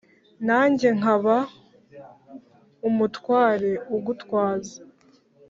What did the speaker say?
Nanjye nkaba umutware ugutwaza